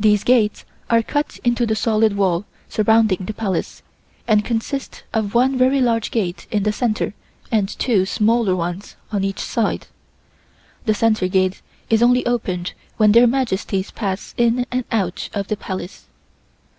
These gates are cut into the solid wall surrounding the Palace and consist of one very large gate in the center and two smaller ones on each side. The center gate is only opened when their Majesties pass in and out of the Palace.